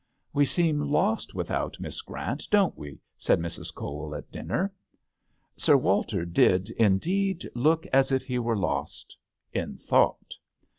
"We seem lost without Miss Grant, don't we ?" said Mrs. Coweil, at dinner. Sir Walter did, indeed, look as if he were lost — in thought.